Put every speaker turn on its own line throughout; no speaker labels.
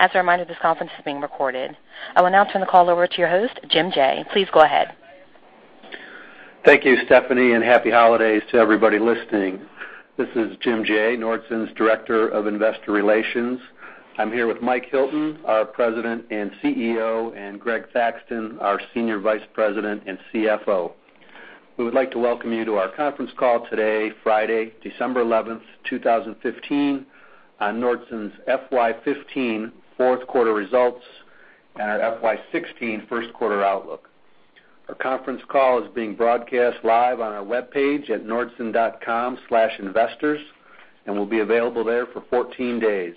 As a reminder, this conference is being recorded. I will now turn the call over to your host, Jim Jaye. Please go ahead.
Thank you, Stephanie, and happy holidays to everybody listening. This is Jim Jaye, Nordson's Director of Investor Relations. I'm here with Mike Hilton, our President and CEO, and Greg Thaxton, our Senior Vice President and CFO. We would like to welcome you to our conference call today, Friday, December 11, 2015, on Nordson's FY 2015 fourth quarter results and our FY 2016 first quarter outlook. Our conference call is being broadcast live on our webpage at nordson.com/investors and will be available there for 14 days.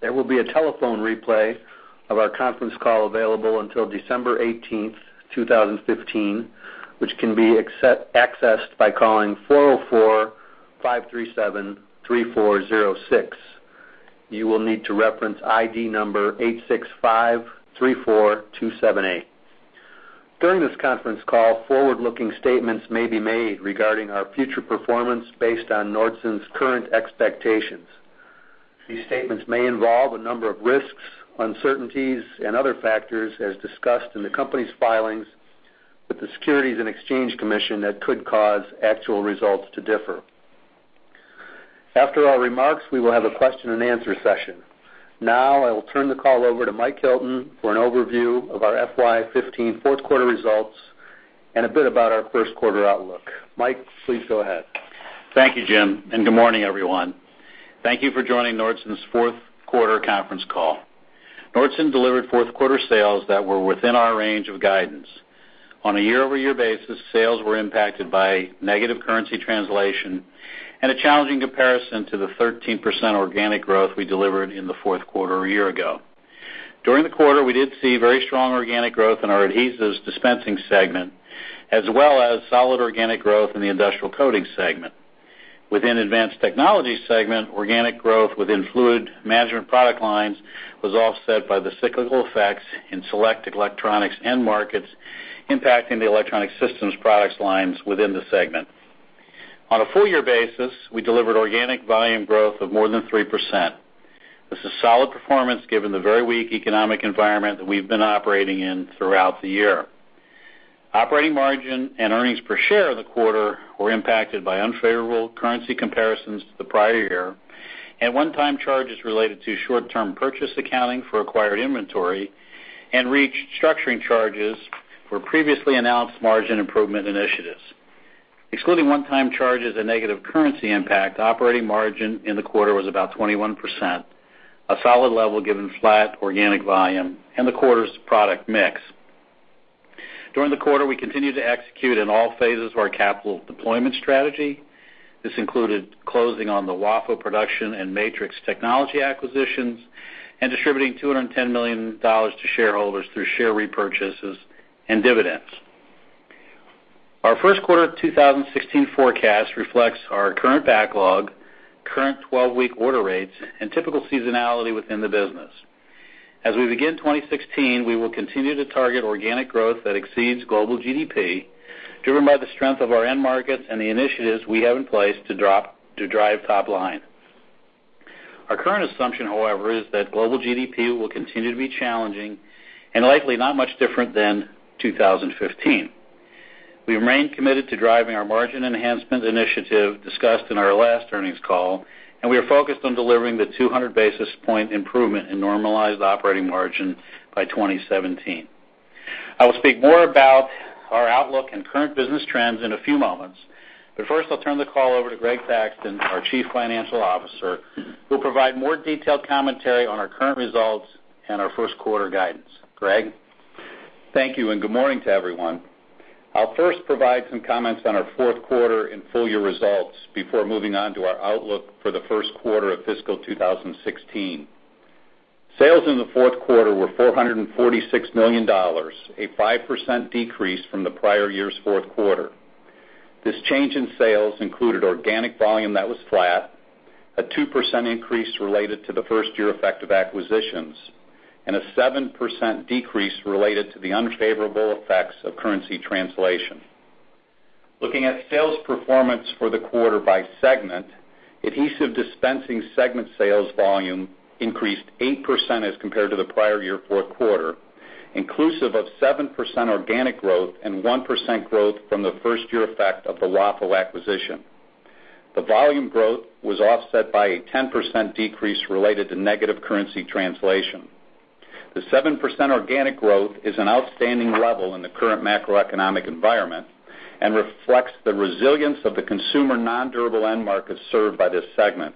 There will be a telephone replay of our conference call available until December 18, 2015, which can be accessed by calling 404-537-3406. You will need to reference ID number 86534278. During this conference call, forward-looking statements may be made regarding our future performance based on Nordson's current expectations. These statements may involve a number of risks, uncertainties, and other factors as discussed in the company's filings with the Securities and Exchange Commission that could cause actual results to differ. After our remarks, we will have a question-and-answer session. Now I will turn the call over to Mike Hilton for an overview of our FY 2015 fourth quarter results and a bit about our first quarter outlook. Mike, please go ahead.
Thank you, Jim, and good morning, everyone. Thank you for joining Nordson's fourth quarter conference call. Nordson delivered fourth quarter sales that were within our range of guidance. On a year-over-year basis, sales were impacted by negative currency translation and a challenging comparison to the 13% organic growth we delivered in the fourth quarter a year ago. During the quarter, we did see very strong organic growth in our Adhesive Dispensing Systems segment, as well as solid organic growth in the Industrial Coating Systems segment. Within Advanced Technology Systems segment, organic growth within Fluid Management product lines was offset by the cyclical effects in select electronics end markets impacting the Electronics Solutions product lines within the segment. On a full-year basis, we delivered organic volume growth of more than 3%. This is solid performance given the very weak economic environment that we've been operating in throughout the year. Operating margin and earnings per share of the quarter were impacted by unfavorable currency comparisons to the prior year and one-time charges related to short-term purchase accounting for acquired inventory and restructuring charges for previously announced margin improvement initiatives. Excluding one-time charges and negative currency impact, operating margin in the quarter was about 21%, a solid level given flat organic volume and the quarter's product mix. During the quarter, we continued to execute in all phases of our capital deployment strategy. This included closing on the WAFO and Matrix Technologies acquisitions and distributing $210 million to shareholders through share repurchases and dividends. Our first quarter of 2016 forecast reflects our current backlog, current 12-week order rates, and typical seasonality within the business. As we begin 2016, we will continue to target organic growth that exceeds global GDP, driven by the strength of our end markets and the initiatives we have in place to drive top line. Our current assumption, however, is that global GDP will continue to be challenging and likely not much different than 2015. We remain committed to driving our margin enhancement initiative discussed in our last earnings call, and we are focused on delivering the 200 basis point improvement in normalized operating margin by 2017. I will speak more about our outlook and current business trends in a few moments, but first, I'll turn the call over to Greg Thaxton, our Chief Financial Officer, who'll provide more detailed commentary on our current results and our first quarter guidance. Greg?
Thank you, and good morning to everyone. I'll first provide some comments on our fourth quarter and full-year results before moving on to our outlook for the first quarter of fiscal 2016. Sales in the fourth quarter were $446 million, a 5% decrease from the prior year's fourth quarter. This change in sales included organic volume that was flat, a 2% increase related to the first-year effect of acquisitions, and a 7% decrease related to the unfavorable effects of currency translation. Looking at sales performance for the quarter by segment, Adhesive Dispensing segment sales volume increased 8% as compared to the prior year fourth quarter, inclusive of 7% organic growth and 1% growth from the first-year effect of the WAFO acquisition. The volume growth was offset by a 10% decrease related to negative currency translation. The 7% organic growth is an outstanding level in the current macroeconomic environment and reflects the resilience of the consumer non-durable end markets served by this segment.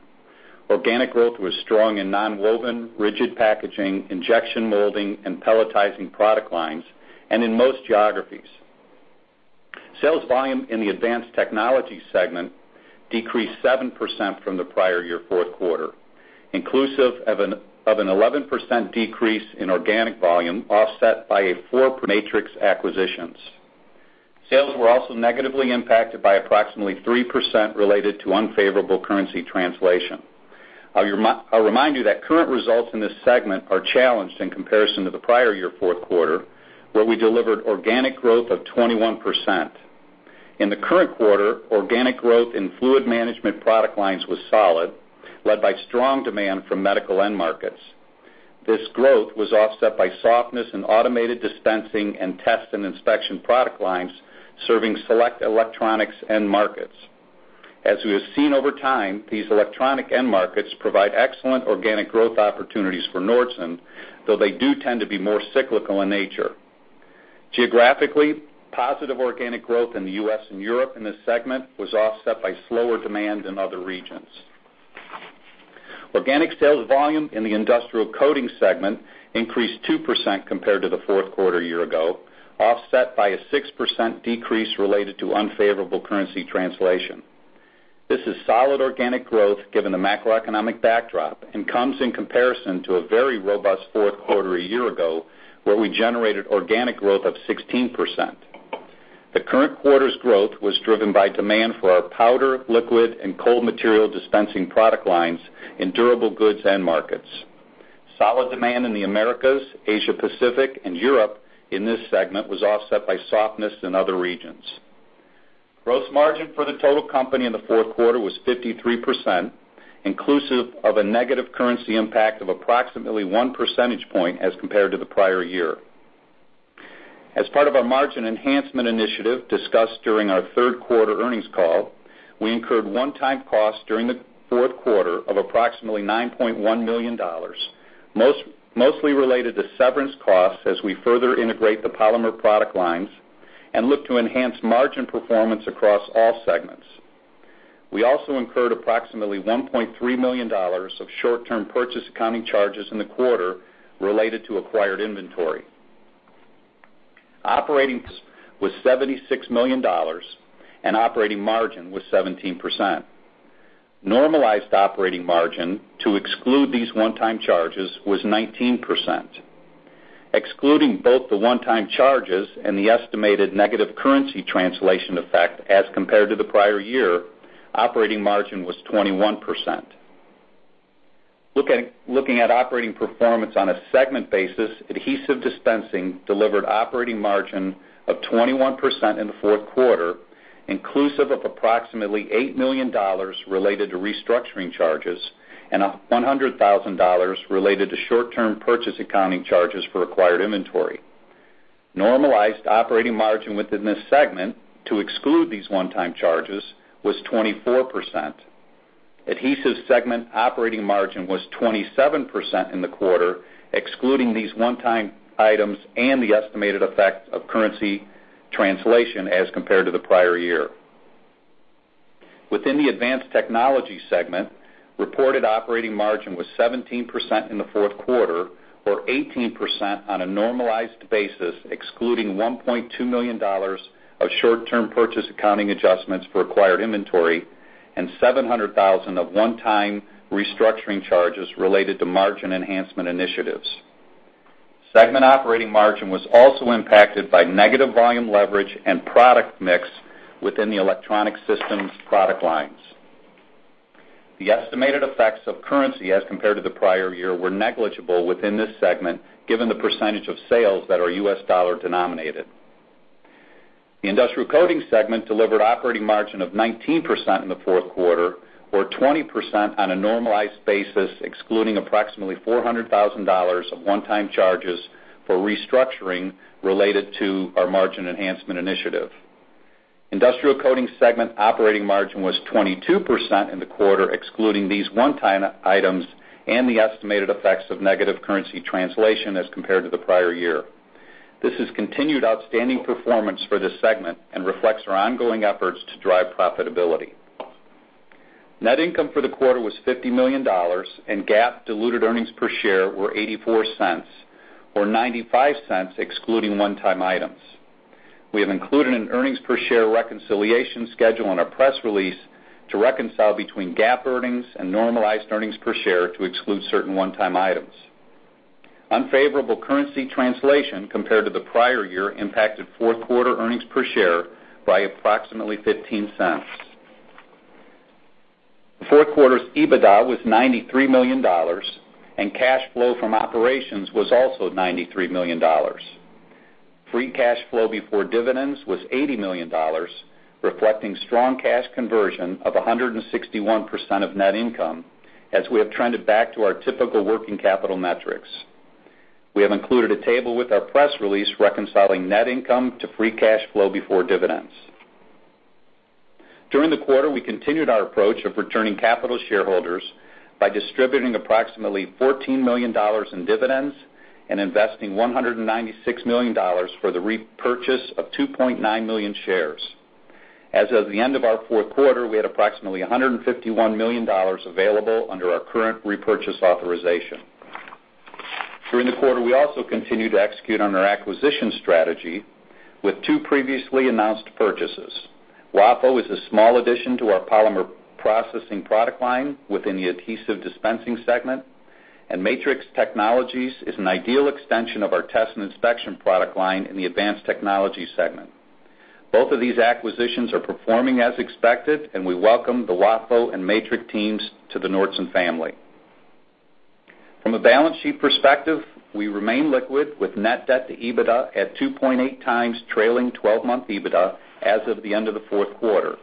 Organic growth was strong in non-woven, rigid packaging, injection molding, and pelletizing product lines, and in most geographies. Sales volume in the Advanced Technology Systems segment decreased 7% from the prior-year fourth quarter, inclusive of an 11% decrease in organic volume, offset by a [4%] Matrix acquisitions. Sales were also negatively impacted by approximately 3% related to unfavorable currency translation. I'll remind you that current results in this segment are challenged in comparison to the prior year fourth quarter, where we delivered organic growth of 21%. In the current quarter, organic growth in fluid management product lines was solid, led by strong demand from medical end markets. This growth was offset by softness in automated dispensing and test and inspection product lines serving select electronics end markets. As we have seen over time, these electronic end markets provide excellent organic growth opportunities for Nordson, though they do tend to be more cyclical in nature. Geographically, positive organic growth in the U.S. and Europe in this segment was offset by slower demand in other regions. Organic sales volume in the industrial coatings segment increased 2% compared to the fourth quarter a year ago, offset by a 6% decrease related to unfavorable currency translation. This is solid organic growth given the macroeconomic backdrop and comes in comparison to a very robust fourth quarter a year ago, where we generated organic growth of 16%. The current quarter's growth was driven by demand for our powder, liquid, and cold material dispensing product lines in durable goods end markets. Solid demand in the Americas, Asia Pacific, and Europe in this segment was offset by softness in other regions. Gross margin for the total company in the fourth quarter was 53%, inclusive of a negative currency impact of approximately 1 percentage point as compared to the prior year. As part of our margin enhancement initiative discussed during our third quarter earnings call, we incurred one-time costs during the fourth quarter of approximately $9.1 million, mostly related to severance costs as we further integrate the polymer product lines and look to enhance margin performance across all segments. We also incurred approximately $1.3 million of short-term purchase accounting charges in the quarter related to acquired inventory. Operatings was $76 million and operating margin was 17%. Normalized operating margin to exclude these one-time charges was 19%. Excluding both the one-time charges and the estimated negative currency translation effect as compared to the prior year, operating margin was 21%. Looking at operating performance on a segment basis, Adhesive Dispensing delivered operating margin of 21% in the fourth quarter, inclusive of approximately $8 million related to restructuring charges and $100,000 related to short-term purchase accounting charges for acquired inventory. Normalized operating margin within this segment to exclude these one-time charges was 24%. Adhesive segment operating margin was 27% in the quarter, excluding these one-time items and the estimated effect of currency translation as compared to the prior year. Within the Advanced Technology segment, reported operating margin was 17% in the fourth quarter, or 18% on a normalized basis, excluding $1.2 million of short-term purchase accounting adjustments for acquired inventory and $700,000 of one-time restructuring charges related to margin enhancement initiatives. Segment operating margin was also impacted by negative volume leverage and product mix within the electronic systems product lines. The estimated effects of currency as compared to the prior year were negligible within this segment, given the percentage of sales that are US-dollar-denominated. The Industrial Coatings segment delivered operating margin of 19% in the fourth quarter or 20% on a normalized basis, excluding approximately $400,000 of one-time charges for restructuring related to our margin enhancement initiative. Industrial Coatings segment operating margin was 22% in the quarter, excluding these one-time items and the estimated effects of negative currency translation as compared to the prior year. This is continued outstanding performance for this segment and reflects our ongoing efforts to drive profitability. Net income for the quarter was $50 million, and GAAP diluted earnings per share were $0.84, or $0.95 excluding one-time items. We have included an earnings per share reconciliation schedule in our press release to reconcile between GAAP earnings and normalized earnings per share to exclude certain one-time items. Unfavorable currency translation compared to the prior year impacted fourth quarter earnings per share by approximately $0.15. The fourth quarter's EBITDA was $93 million, and cash flow from operations was also $93 million. Free cash flow before dividends was $80 million, reflecting strong cash conversion of 161% of net income, as we have trended back to our typical working capital metrics. We have included a table with our press release reconciling net income to free cash flow before dividends. During the quarter, we continued our approach of returning capital to shareholders by distributing approximately $14 million in dividends and investing $196 million for the repurchase of 2.9 million shares. As of the end of our fourth quarter, we had approximately $151 million available under our current repurchase authorization. During the quarter, we also continued to execute on our acquisition strategy with two previously announced purchases. WAFO is a small addition to our polymer processing product line within the Adhesive Dispensing segment, and Matrix Technologies is an ideal extension of our test and inspection product line in the Advanced Technology segment. Both of these acquisitions are performing as expected, and we welcome the WAFO and Matrix teams to the Nordson family. From a balance sheet perspective, we remain liquid with net debt to EBITDA at 2.8x trailing 12-month EBITDA as of the end of the fourth quarter.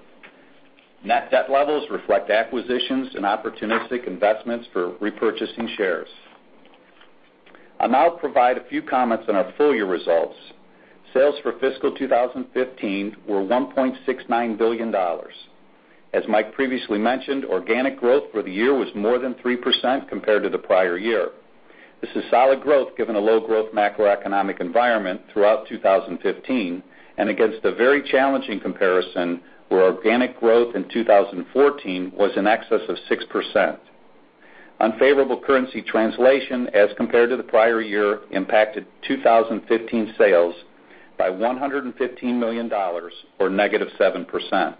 Net debt levels reflect acquisitions and opportunistic investments for repurchasing shares. I'll now provide a few comments on our full year results. Sales for fiscal 2015 were $1.69 billion. As Mike previously mentioned, organic growth for the year was more than 3% compared to the prior year. This is solid growth given a low growth macroeconomic environment throughout 2015 and against a very challenging comparison where organic growth in 2014 was in excess of 6%. Unfavorable currency translation as compared to the prior year impacted 2015 sales by $115 million, or -7%.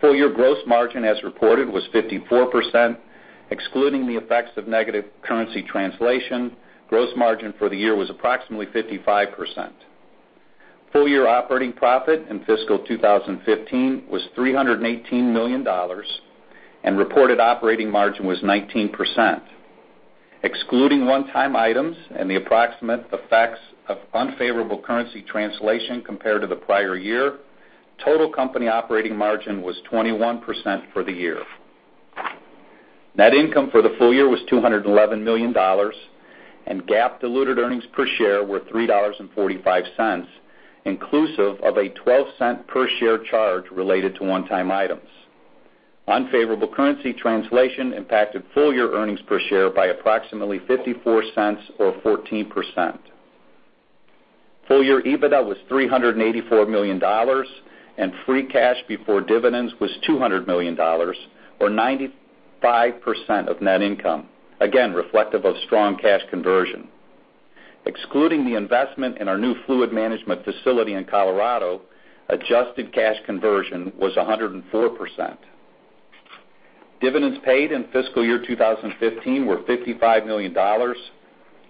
Full year gross margin as reported was 54%. Excluding the effects of negative currency translation, gross margin for the year was approximately 55%. Full-year operating profit in fiscal 2015 was $318 million, and reported operating margin was 19%. Excluding one-time items and the approximate effects of unfavorable currency translation compared to the prior year, total company operating margin was 21% for the year. Net income for the full year was $211 million, and GAAP diluted earnings per share were $3.45, inclusive of a $0.12 per share charge related to one-time items. Unfavorable currency translation impacted full-year earnings per share by approximately $0.54 or 14%. Full-year EBITDA was $384 million, and free cash before dividends was $200 million, or 95% of net income, again reflective of strong cash conversion. Excluding the investment in our new fluid management facility in Colorado, adjusted cash conversion was 104%. Dividends paid in fiscal year 2015 were $55 million,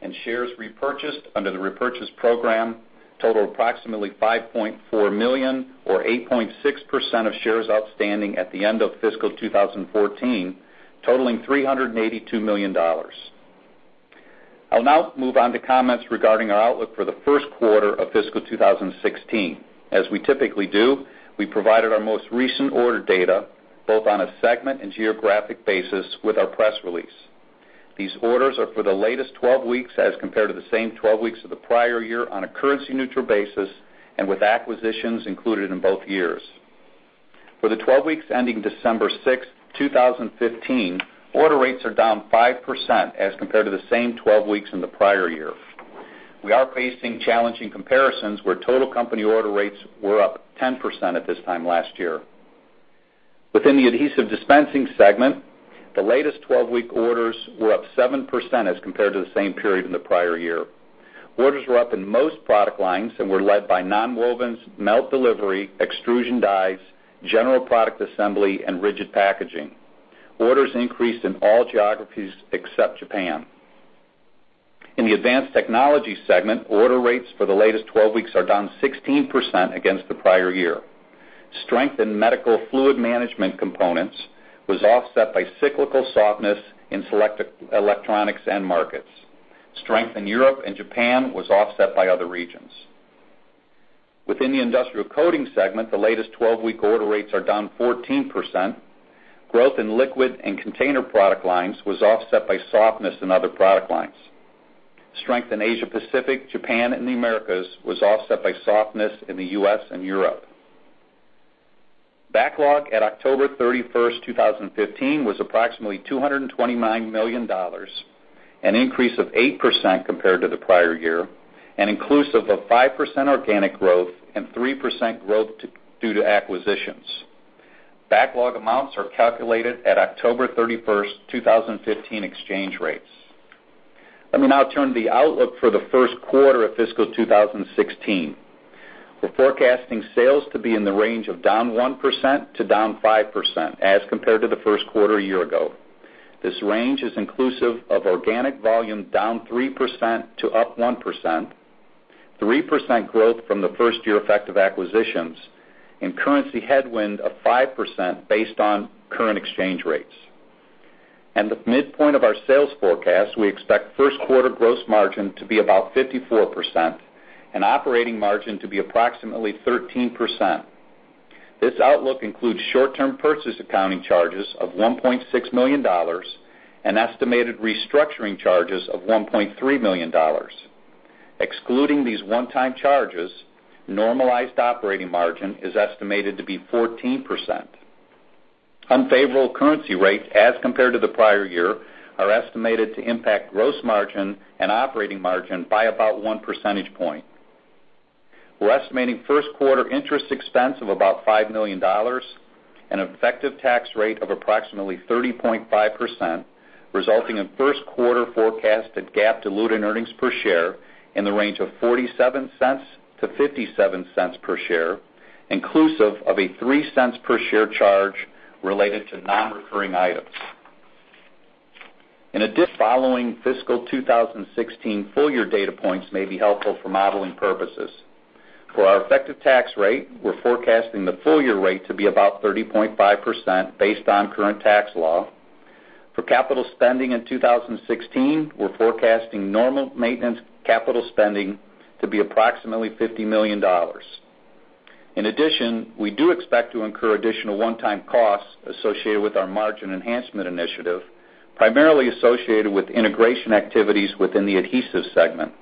and shares repurchased under the repurchase program totaled approximately 5.4 million or 8.6% of shares outstanding at the end of fiscal 2014, totaling $382 million. I'll now move on to comments regarding our outlook for the first quarter of fiscal 2016. As we typically do, we provided our most recent order data, both on a segment and geographic basis, with our press release. These orders are for the latest 12 weeks as compared to the same 12 weeks of the prior year on a currency-neutral basis and with acquisitions included in both years. For the 12 weeks ending December 6, 2015, order rates are down 5% as compared to the same 12 weeks in the prior year. We are facing challenging comparisons where total company order rates were up 10% at this time last year. Within the Adhesive Dispensing segment, the latest 12-week orders were up 7% as compared to the same period in the prior year. Orders were up in most product lines and were led by non-wovens, melt delivery, extrusion dies, general product assembly and rigid packaging. Orders increased in all geographies except Japan. In the Advanced Technology segment, order rates for the latest 12 weeks are down 16% against the prior year. Strength in medical fluid management components was offset by cyclical softness in select electronics end markets. Strength in Europe and Japan was offset by other regions. Within the Industrial Coating segment, the latest 12-week order rates are down 14%. Growth in liquid and container product lines was offset by softness in other product lines. Strength in Asia Pacific, Japan and the Americas was offset by softness in the U.S. and Europe. Backlog at October 31, 2015 was approximately $229 million, an increase of 8% compared to the prior year, and inclusive of 5% organic growth and 3% growth due to acquisitions. Backlog amounts are calculated at October 31, 2015 exchange rates. Let me now turn to the outlook for the first quarter of fiscal 2016. We're forecasting sales to be in the range of down 1% to down 5% as compared to the first quarter a year ago. This range is inclusive of organic volume down 3% to up 1%, 3% growth from the first-year effect of acquisitions, and currency headwind of 5% based on current exchange rates. At the midpoint of our sales forecast, we expect first quarter gross margin to be about 54% and operating margin to be approximately 13%. This outlook includes short-term purchase accounting charges of $1.6 million and estimated restructuring charges of $1.3 million. Excluding these onetime charges, normalized operating margin is estimated to be 14%. Unfavorable currency rates as compared to the prior year are estimated to impact gross margin and operating margin by about 1 percentage point. We're estimating first quarter interest expense of about $5 million and an effective tax rate of approximately 30.5%, resulting in first quarter forecasted GAAP diluted earnings per share in the range of $0.47-$0.57 per share, inclusive of a $0.03 per share charge related to non-recurring items. In addition, following fiscal 2016 full-year data points may be helpful for modeling purposes. For our effective tax rate, we're forecasting the full-year rate to be about 30.5% based on current tax law. For capital spending in 2016, we're forecasting normal maintenance capital spending to be approximately $50 million. In addition, we do expect to incur additional one-time costs associated with our margin enhancement initiative, primarily associated with integration activities within the Adhesive segment.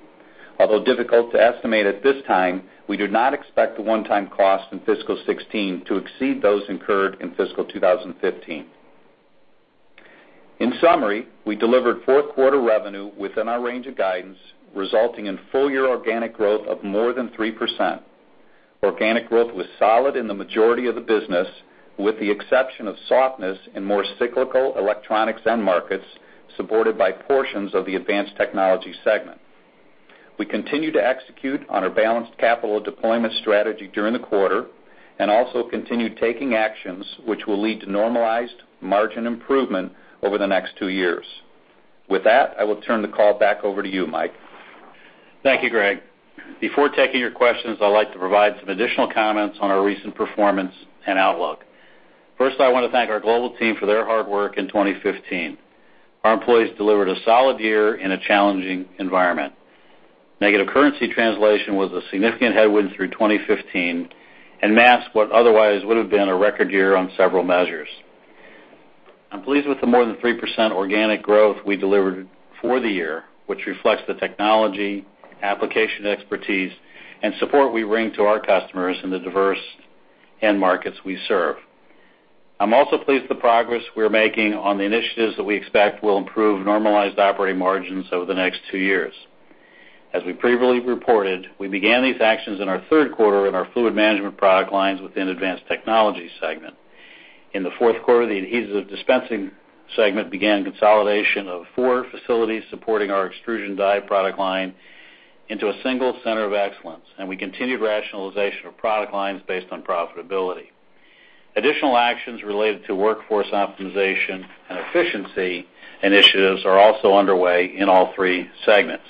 Although difficult to estimate at this time, we do not expect the one-time costs in fiscal 2016 to exceed those incurred in fiscal 2015. In summary, we delivered fourth quarter revenue within our range of guidance, resulting in full-year organic growth of more than 3%. Organic growth was solid in the majority of the business, with the exception of softness in more cyclical electronics end markets, supported by portions of the Advanced Technology segment. We continue to execute on our balanced capital deployment strategy during the quarter and also continue taking actions which will lead to normalized margin improvement over the next two years. With that, I will turn the call back over to you, Mike.
Thank you, Greg. Before taking your questions, I'd like to provide some additional comments on our recent performance and outlook. First, I wanna thank our global team for their hard work in 2015. Our employees delivered a solid year in a challenging environment. Negative currency translation was a significant headwind through 2015 and masked what otherwise would have been a record year on several measures. I'm pleased with the more than 3% organic growth we delivered for the year, which reflects the technology, application expertise, and support we bring to our customers in the diverse end markets we serve. I'm also pleased with the progress we are making on the initiatives that we expect will improve normalized operating margins over the next two years. As we previously reported, we began these actions in our third quarter in our Fluid Management product lines within Advanced Technology segment. In the fourth quarter, the Adhesive Dispensing segment began consolidation of four facilities supporting our extrusion die product line into a single center of excellence, and we continued rationalization of product lines based on profitability. Additional actions related to workforce optimization and efficiency initiatives are also underway in all three segments.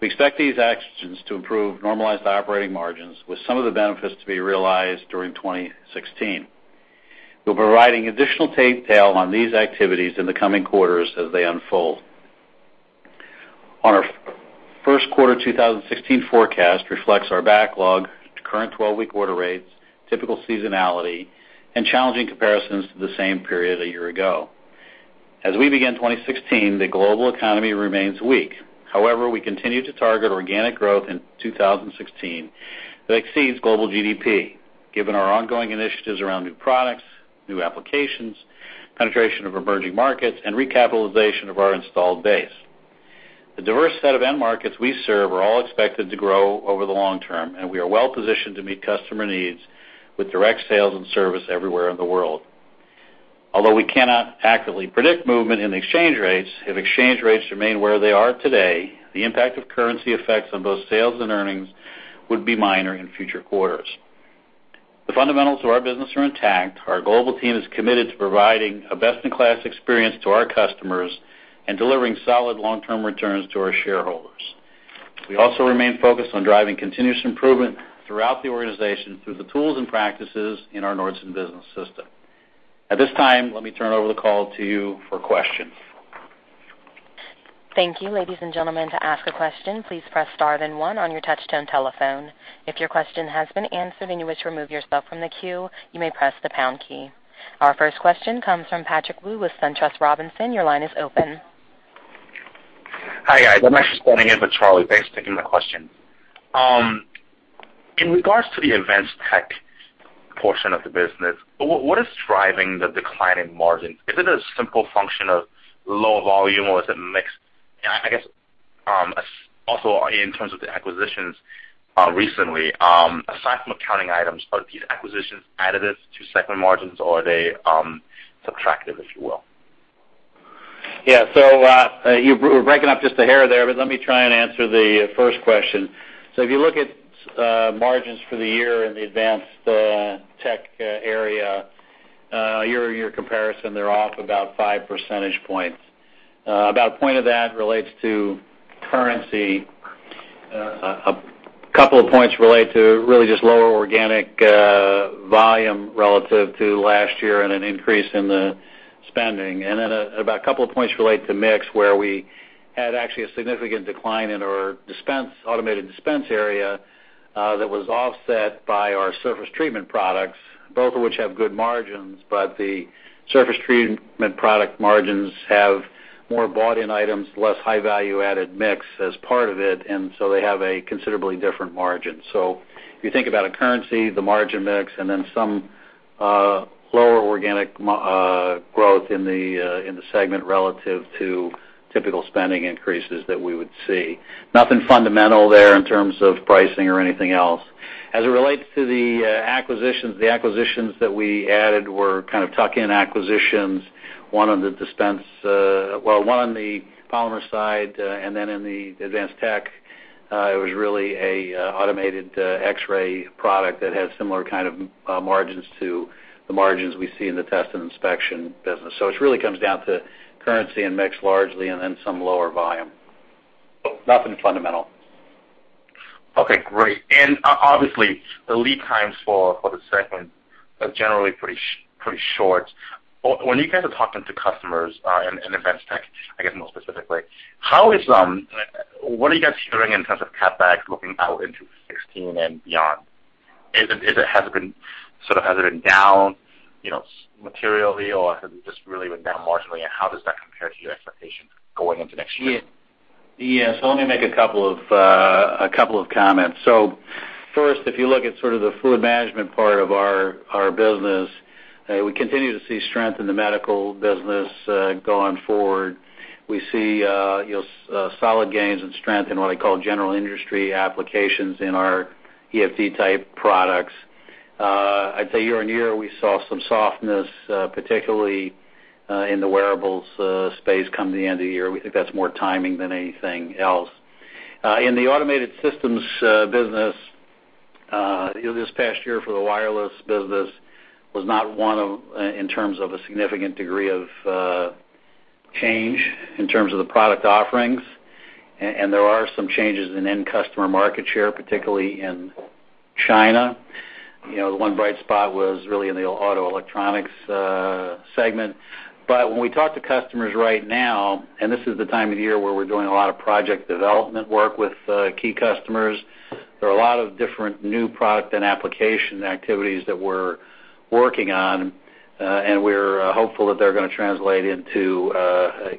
We expect these actions to improve normalized operating margins with some of the benefits to be realized during 2016. We're providing additional detail on these activities in the coming quarters as they unfold. Our first quarter 2016 forecast reflects our backlog, current 12-week order rates, typical seasonality, and challenging comparisons to the same period a year ago. As we begin 2016, the global economy remains weak. However, we continue to target organic growth in 2016 that exceeds global GDP, given our ongoing initiatives around new products, new applications, penetration of emerging markets, and recapitalization of our installed base. The diverse set of end markets we serve are all expected to grow over the long term, and we are well-positioned to meet customer needs with direct sales and service everywhere in the world. Although we cannot accurately predict movement in exchange rates, if exchange rates remain where they are today, the impact of currency effects on both sales and earnings would be minor in future quarters. The fundamentals of our business are intact. Our global team is committed to providing a best-in-class experience to our customers and delivering solid long-term returns to our shareholders. We also remain focused on driving continuous improvement throughout the organization through the tools and practices in our Nordson Business System. At this time, let me turn over the call to you for questions.
Thank you. Ladies and gentlemen, to ask a question, please press star then one on your touch-tone telephone. If your question has been answered and you wish to remove yourself from the queue, you may press the pound key. Our first question comes from Patrick Wu with SunTrust Robinson. Your line is open.
Hi, guys. I'm actually standing in for Charlie. Thanks for taking my question. In regards to the Advanced Tech portion of the business, what is driving the decline in margins? Is it a simple function of low volume, or is it mix? I guess also in terms of the acquisitions recently, aside from accounting items, are these acquisitions additive to segment margins, or are they subtractive, if you will?
Yeah. You're breaking up just a hair there, but let me try and answer the first question. If you look at margins for the year in the Advanced Tech area year-over-year comparison, they're off about 5 percentage points. About 1 point of that relates to currency. A couple of points relate to really just lower organic volume relative to last year and an increase in the spending. About a couple of points relate to mix, where we had actually a significant decline in our automated dispense area that was offset by our surface treatment products, both of which have good margins, but the surface treatment product margins have more bought-in items, less high value-added mix as part of it, and so they have a considerably different margin. If you think about a currency, the margin mix, and then some lower organic growth in the segment relative to typical spending increases that we would see. Nothing fundamental there in terms of pricing or anything else. As it relates to the acquisitions, the acquisitions that we added were kind of tuck-in acquisitions. One on the dispense, one on the polymer side, and then in the Advanced Tech, it was really a automated X-ray product that has similar kind of margins to the margins we see in the Test and Inspection business. It really comes down to currency and mix largely and then some lower volume. Nothing fundamental.
Okay, great. Obviously, the lead times for the segment are generally pretty short. When you guys are talking to customers in Advanced Tech, I guess more specifically, what are you guys hearing in terms of CapEx looking out into 2016 and beyond? Is it has it been sort of down, you know, materially, or has it just really been down marginally, and how does that compare to your expectations going into next year?
Yeah. Yeah. Let me make a couple of comments. First, if you look at sort of the Fluid Management part of our business, we continue to see strength in the medical business going forward. We see, you know, solid gains and strength in what I call general industry applications in our EFD-type products. I'd say year-on-year, we saw some softness, particularly in the wearables space come the end of the year. We think that's more timing than anything else. In the automated systems business, this past year for the wireless business was not one of in terms of a significant degree of change in terms of the product offerings. And there are some changes in end customer market share, particularly in China. You know, the one bright spot was really in the auto electronics segment. When we talk to customers right now, and this is the time of year where we're doing a lot of project development work with key customers, there are a lot of different new product and application activities that we're working on, and we're hopeful that they're gonna translate into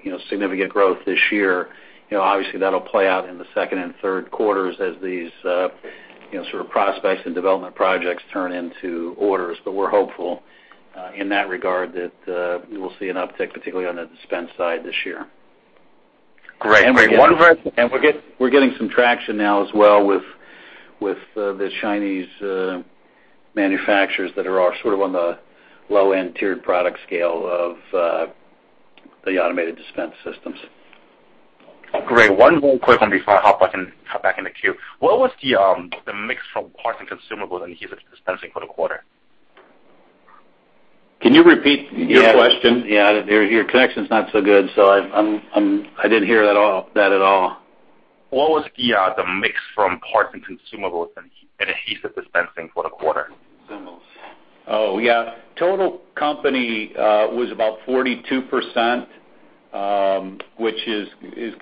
you know, significant growth this year. You know, obviously, that'll play out in the second and third quarters as these you know, sort of prospects and development projects turn into orders. We're hopeful in that regard that we will see an uptick, particularly on the dispense side this year. We're getting some traction now as well with the Chinese manufacturers that are all sort of on the low-end tiered product scale of the Automated Dispensing Systems.
Great. One more quick one before I hop back in the queue. What was the mix from parts and consumables and adhesive dispensing for the quarter?
Can you repeat your question?
Yeah. Your connection's not so good, so I didn't hear that at all.
What was the mix from parts and consumables and adhesive dispensing for the quarter?
Consumables.
Total company was about 42%, which is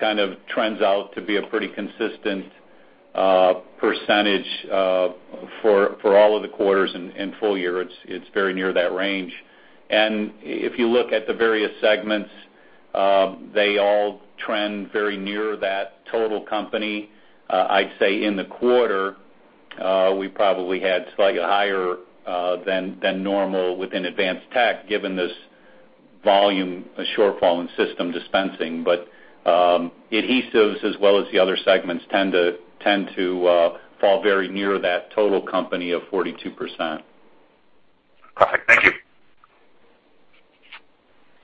kind of trends out to be a pretty consistent percentage for all of the quarters and full year. It's very near that range. If you look at the various segments, they all trend very near that total company. I'd say in the quarter, we probably had slightly higher than normal within Advanced Tech, given this volume shortfall in system dispensing. Adhesives as well as the other segments tend to fall very near that total company of 42%.
Perfect. Thank you.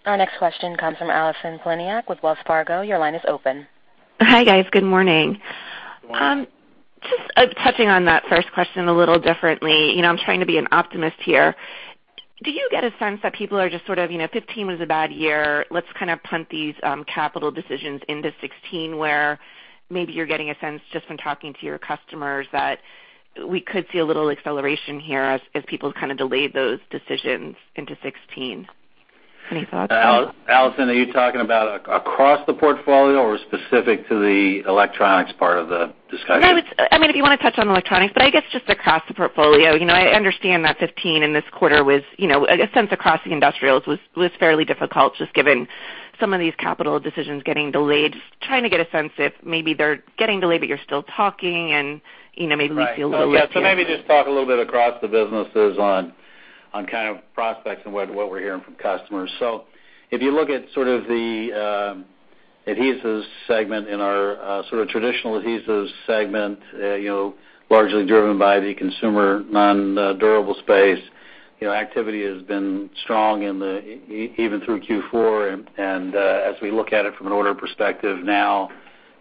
Our next question comes from Allison Poliniak with Wells Fargo. Your line is open.
Hi, guys. Good morning. Just touching on that first question a little differently. You know, I'm trying to be an optimist here. Do you get a sense that people are just sort of, you know, 2015 was a bad year, let's kind of punt these capital decisions into 2016, where maybe you're getting a sense just from talking to your customers that we could see a little acceleration here as people kind of delayed those decisions into 2016? Any thoughts?
Allison, are you talking about across the portfolio or specific to the electronics part of the discussion?
No, I mean, if you wanna touch on electronics, but I guess just across the portfolio. You know, I understand that 2015 and this quarter was, you know, a sense across the industrials was fairly difficult just given some of these capital decisions getting delayed. Just trying to get a sense if maybe they're getting delayed, but you're still talking and, you know, maybe we see a little bit of.
Right. Yeah, maybe just talk a little bit across the businesses on kind of prospects and what we're hearing from customers. If you look at sort of the adhesives segment in our sort of traditional adhesives segment, you know, largely driven by the consumer non-durable space, you know, activity has been strong even through Q4. As we look at it from an order perspective now,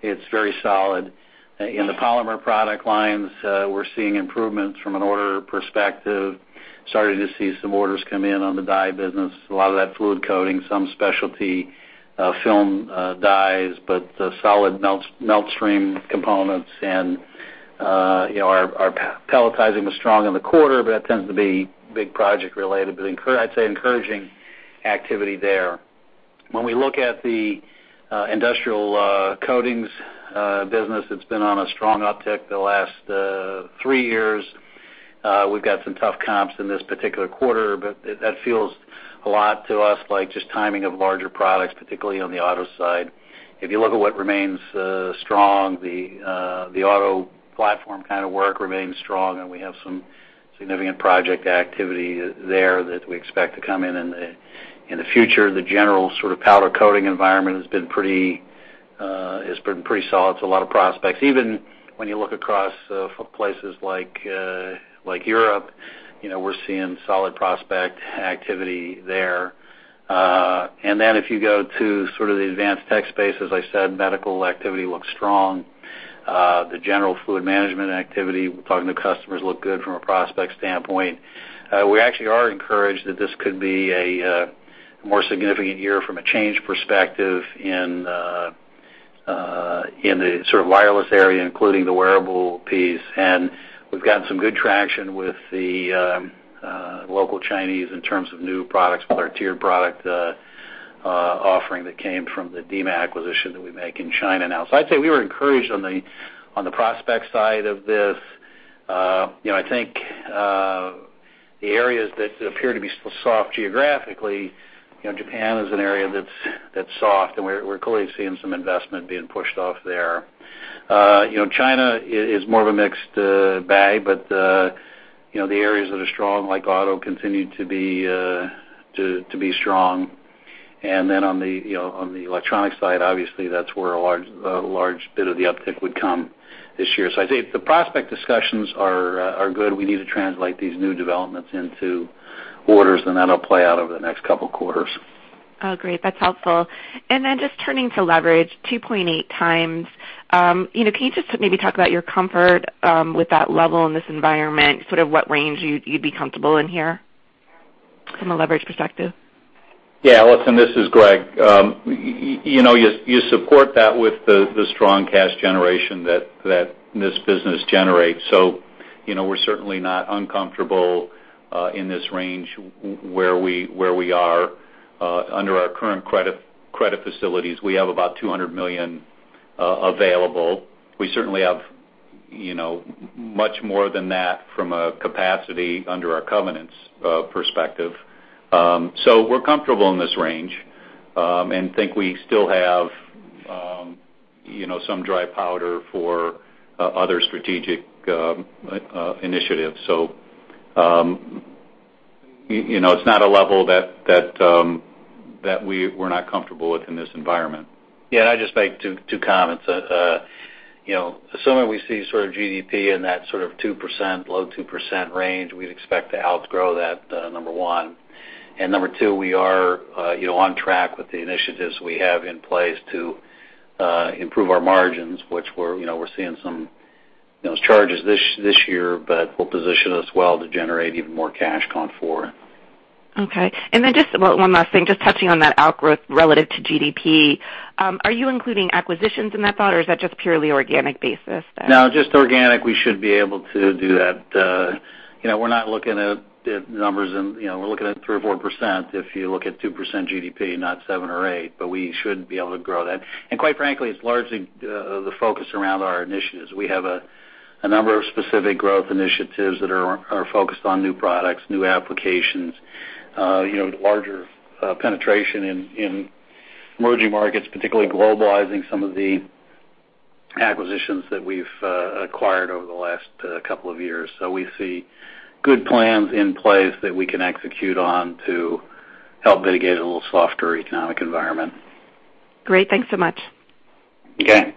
it's very solid. In the polymer product lines, we're seeing improvements from an order perspective, starting to see some orders come in on the die business, a lot of that fluid coating, some specialty film dies, but solid melt stream components and, you know, our pelletizing was strong in the quarter, but that tends to be big project related. I'd say encouraging activity there. When we look at the industrial coatings business, it's been on a strong uptick the last three years. We've got some tough comps in this particular quarter, but that feels a lot to us like just timing of larger products, particularly on the auto side. If you look at what remains strong, the auto platform kind of work remains strong, and we have some significant project activity there that we expect to come in in the future. The general sort of powder coating environment has been pretty solid, so a lot of prospects. Even when you look across places like Europe, you know, we're seeing solid prospect activity there. Then if you go to sort of the Advanced Tech space, as I said, medical activity looks strong. The general fluid management activity, we're talking to customers, look good from a prospect standpoint. We actually are encouraged that this could be a more significant year from a change perspective in the sort of wireless area, including the wearable piece. We've gotten some good traction with the local Chinese in terms of new products with our tiered product offering that came from the DIMA acquisition that we make in China now. I'd say we were encouraged on the prospect side of this. You know, I think the areas that appear to be still soft geographically, you know, Japan is an area that's soft, and we're clearly seeing some investment being pushed off there. You know, China is more of a mixed bag, but you know, the areas that are strong, like auto, continue to be strong. On the, you know, on the electronic side, obviously that's where a large bit of the uptick would come this year. I'd say the prospect discussions are good. We need to translate these new developments into orders, and that'll play out over the next couple quarters.
Oh, great. That's helpful. Just turning to leverage, 2.8x. You know, can you just maybe talk about your comfort with that level in this environment, sort of what range you'd be comfortable in here from a leverage perspective?
Yeah, Allison, this is Greg. You know, we support that with the strong cash generation that this business generates. You know, we're certainly not uncomfortable in this range where we are. Under our current credit facilities, we have about $200 million available. We certainly have, you know, much more than that from a capacity under our covenants perspective. We're comfortable in this range and think we still have, you know, some dry powder for other strategic initiatives. You know, it's not a level that we're not comfortable with in this environment.
Yeah, I'd just make two comments. You know, assuming we see sort of GDP in that sort of 2%, low 2% range, we'd expect to outgrow that, number one. Number two, we are on track with the initiatives we have in place to improve our margins, which we're seeing some you know charges this year, but will position us well to generate even more cash going forward.
Okay. Just one last thing, just touching on that outgrowth relative to GDP. Are you including acquisitions in that thought, or is that just purely organic basis then?
No, just organic, we should be able to do that. You know, we're not looking at numbers in, you know, we're looking at 3% or 4% if you look at 2% GDP, not 7% or 8%, but we should be able to grow that. Quite frankly, it's largely the focus around our initiatives. We have a number of specific growth initiatives that are focused on new products, new applications, you know, larger penetration in emerging markets, particularly globalizing some of the acquisitions that we've acquired over the last couple of years. We see good plans in place that we can execute on to help mitigate a little softer economic environment.
Great. Thanks so much.
Okay.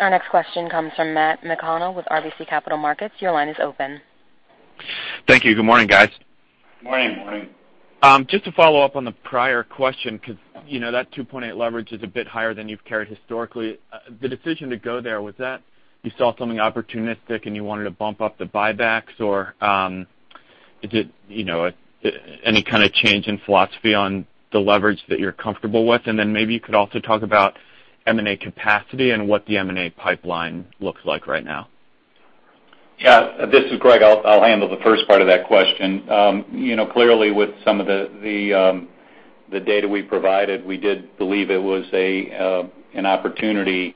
Our next question comes from Matt McConnell with RBC Capital Markets. Your line is open.
Thank you. Good morning, guys.
Morning.
Morning.
Just to follow up on the prior question, 'cause, you know, that 2.8 leverage is a bit higher than you've carried historically. The decision to go there, was that you saw something opportunistic and you wanted to bump up the buybacks? Or, is it, you know, any kind of change in philosophy on the leverage that you're comfortable with? Maybe you could also talk about M&A capacity and what the M&A pipeline looks like right now.
Yeah, this is Greg. I'll handle the first part of that question. You know, clearly with some of the data we provided, we did believe it was an opportunity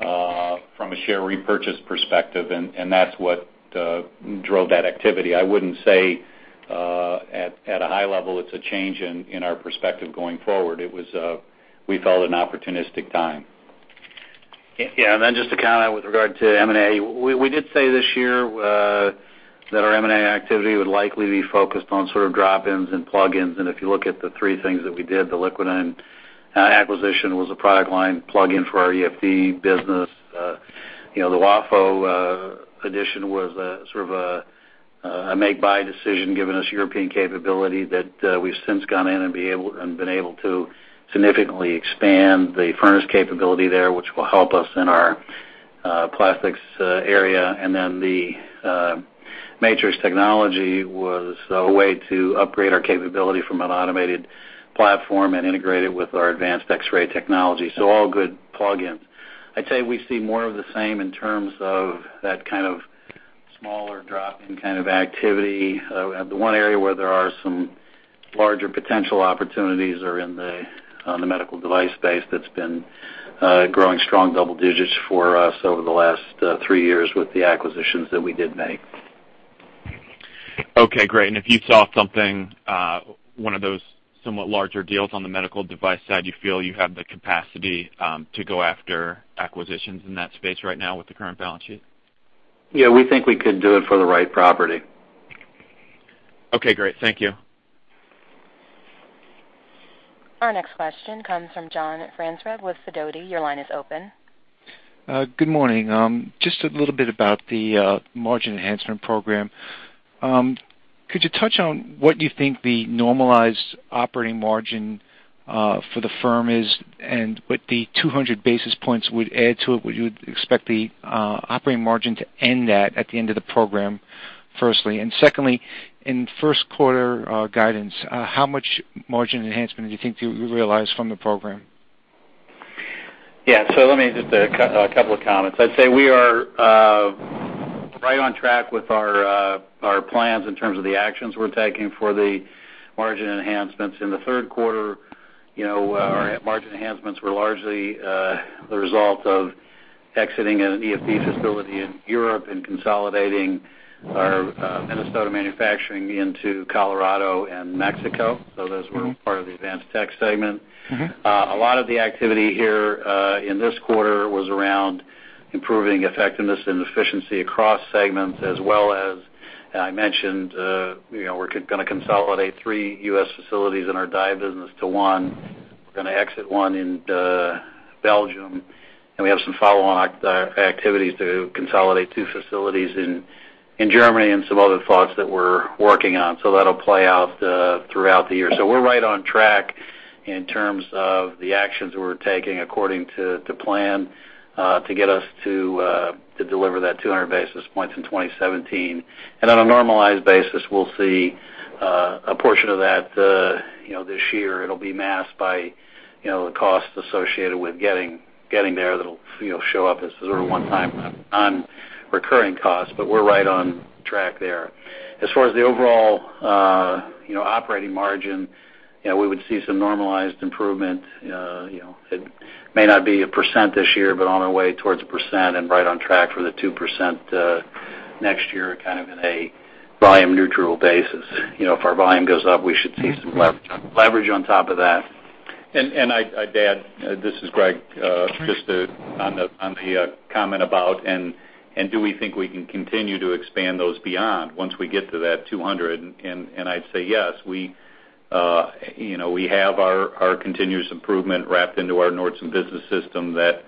from a share repurchase perspective, and that's what drove that activity. I wouldn't say at a high level, it's a change in our perspective going forward. It was— we felt an opportunistic time.
Yeah. Just to comment with regard to M&A, we did say this year that our M&A activity would likely be focused on sort of drop-ins and plug-ins. If you look at the three things that we did, the Liquidyn acquisition was a product line plug-in for our EFD business. You know, the WAFO addition was a sort of a make-buy decision, giving us European capability that we've since gone in and been able to significantly expand the furnace capability there, which will help us in our plastics area. Matrix Technologies was a way to upgrade our capability from an automated platform and integrate it with our advanced X-ray technology. All good plug-ins. I'd say we see more of the same in terms of that kind of smaller drop-in kind of activity. The one area where there are some larger potential opportunities are in the on the medical device space that's been growing strong double digits for us over the last three years with the acquisitions that we did make.
Okay, great. If you saw something, one of those somewhat larger deals on the medical device side, you feel you have the capacity to go after acquisitions in that space right now with the current balance sheet?
Yeah, we think we could do it for the right property.
Okay, great. Thank you.
Our next question comes from John Franzreb with Sidoti. Your line is open.
Good morning. Just a little bit about the margin enhancement program. Could you touch on what you think the normalized operating margin for the firm is, and what the 200 basis points would add to it? Would you expect the operating margin to end at the end of the program? First, and second, in first quarter guidance, how much margin enhancement do you think you realize from the program?
Yeah. Let me— just a couple of comments. I'd say we are right on track with our plans in terms of the actions we're taking for the margin enhancements. In the third quarter, you know, our margin enhancements were largely the result of exiting an EFD facility in Europe and consolidating our Minnesota manufacturing into Colorado and Mexico. Those were part of the advanced tech segment. A lot of the activity here in this quarter was around improving effectiveness and efficiency across segments, as well as I mentioned, you know, we're gonna consolidate three U.S. facilities in our die business to one. We're gonna exit one in Belgium, and we have some follow-on acquisition activities to consolidate two facilities in Germany and some other thoughts that we're working on. That'll play out throughout the year. We're right on track in terms of the actions we're taking according to plan to get us to deliver that 200 basis points in 2017. On a normalized basis, we'll see a portion of that, you know, this year. It'll be masked by, you know, the costs associated with getting there that'll show up as sort of one-time on recurring costs. We're right on track there. As far as the overall, you know, operating margin, you know, we would see some normalized improvement. You know, it may not be 1% this year, but on our way towards 1% and right on track for the 2%, next year, kind of in a volume-neutral basis. You know, if our volume goes up, we should see some leverage on top of that.
I'd add, this is Greg, just to, on the comment about, do we think we can continue to expand those beyond once we get to that 200. I'd say yes. We, you know, we have our continuous improvement wrapped into our Nordson Business System that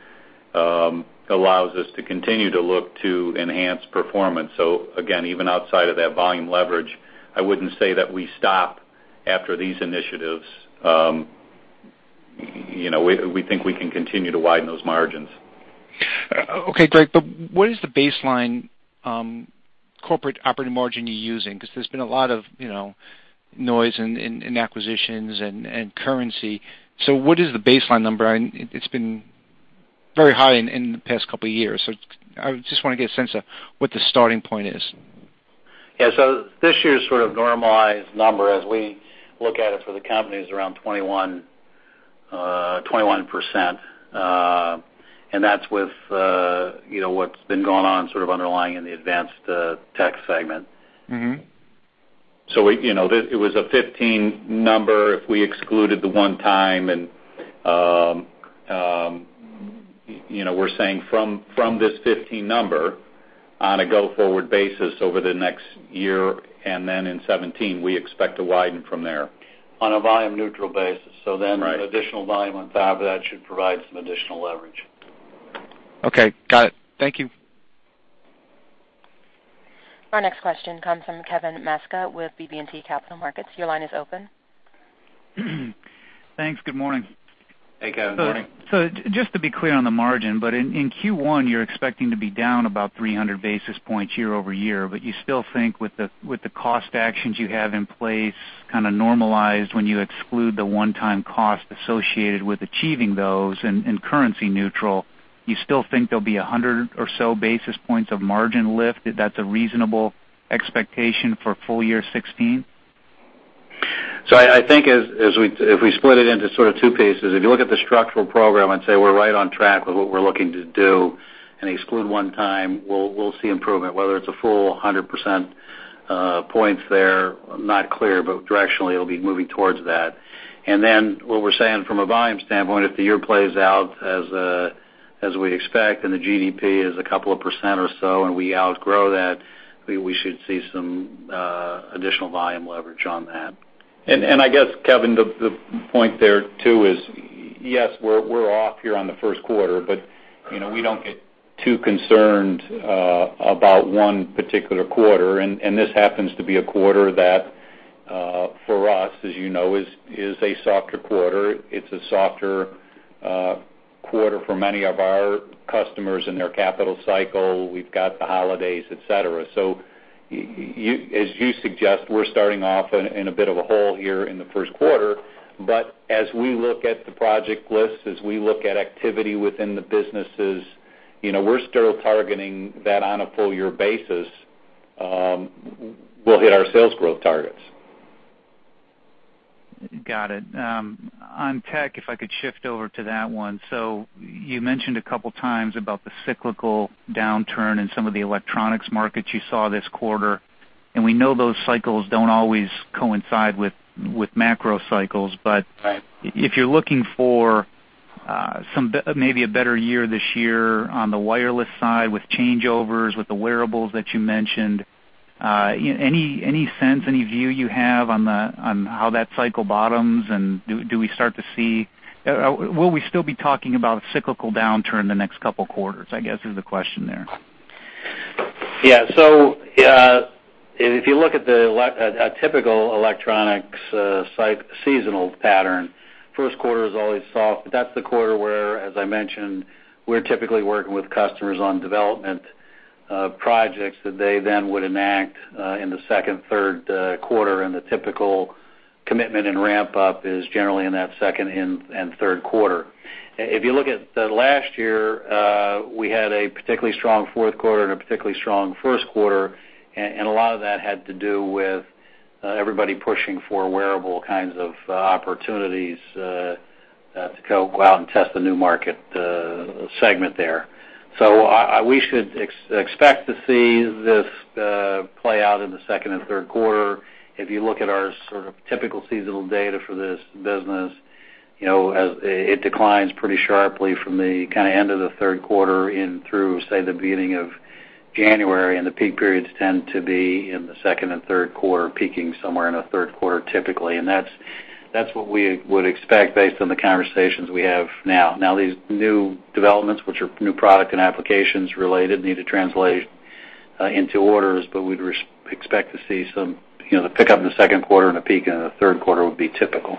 allows us to continue to look to enhance performance. Again, even outside of that volume leverage, I wouldn't say that we stop after these initiatives. You know, we think we can continue to widen those margins.
Okay, great. What is the baseline corporate operating margin you're using? Because there's been a lot of, you know, noise in acquisitions and currency. What is the baseline number? It's been very high in the past couple of years. I just wanna get a sense of what the starting point is.
This year's sort of normalized number as we look at it for the company is around 21%. That's with you know, what's been going on sort of underlying in the Advanced Technology segment.
You know, it was a 15% number if we excluded the one time, you know, we're saying from this 15% number on a go-forward basis over the next year and then in 2017, we expect to widen from there. On a volume-neutral basis. Additional volume on top of that should provide some additional leverage.
Okay. Got it. Thank you.
Our next question comes from Kevin Maczka with BB&T Capital Markets. Your line is open.
Thanks. Good morning.
Hey, Kevin. Good morning.
Just to be clear on the margin, but in Q1, you're expecting to be down about 300 basis points year-over-year, but you still think with the cost actions you have in place, kinda normalized when you exclude the one-time cost associated with achieving those and currency neutral, you still think there'll be 100 or so basis points of margin lift? That's a reasonable expectation for full year 2016?
I think if we split it into sort of two pieces, if you look at the structural program and say we're right on track with what we're looking to do and exclude one-time, we'll see improvement, whether it's a full 100% points there, not clear, but directionally it'll be moving towards that. Then what we're saying from a volume standpoint, if the year plays out as we expect and the GDP is a couple of percent or so, and we outgrow that, we should see some additional volume leverage on that.
I guess, Kevin, the point there too is yes, we're off here on the first quarter, but you know, we don't get too concerned about one particular quarter. This happens to be a quarter that, for us, as you know, is a softer quarter. It's a softer quarter for many of our customers in their capital cycle. We've got the holidays, et cetera. As you suggest, we're starting off in a bit of a hole here in the first quarter. As we look at the project lists, as we look at activity within the businesses, you know, we're still targeting that on a full-year basis, we'll hit our sales growth targets.
Got it. On tech, if I could shift over to that one. You mentioned a couple of times about the cyclical downturn in some of the electronics markets you saw this quarter. We know those cycles don't always coincide with macro cycles. If you're looking for maybe a better year this year on the wireless side with changeovers, with the wearables that you mentioned, any sense, any view you have on how that cycle bottoms? Will we still be talking about a cyclical downturn the next couple quarters, I guess, is the question there.
Yeah. If you look at a typical electronics seasonal pattern, first quarter is always soft, but that's the quarter where, as I mentioned, we're typically working with customers on development projects that they then would enact in the second, third quarter, and the typical commitment and ramp up is generally in that second and third quarter. If you look at the last year, we had a particularly strong fourth quarter and a particularly strong first quarter, and a lot of that had to do with everybody pushing for wearable kinds of opportunities to go out and test the new market segment there. We should expect to see this play out in the second and third quarter. If you look at our sort of typical seasonal data for this business, you know, it declines pretty sharply from the kind of end of the third quarter into, say, the beginning of January, and the peak periods tend to be in the second and third quarter, peaking somewhere in the third quarter, typically. That's what we would expect based on the conversations we have now. Now, these new developments, which are new product and applications related, need to translate into orders, but we'd expect to see some, you know, the pickup in the second quarter and a peak in the third quarter would be typical.